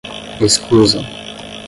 escusam